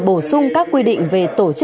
phướng mắt về vốn